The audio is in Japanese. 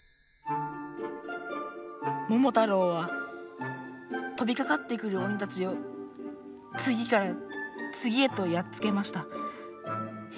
「ももたろうはとびかかってくる鬼たちをつぎからつぎへとやっつけました。